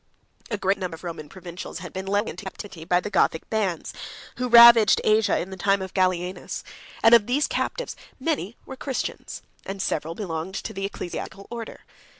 A great number of Roman provincials had been led away into captivity by the Gothic bands, who ravaged Asia in the time of Gallienus; and of these captives, many were Christians, and several belonged to the ecclesiastical order.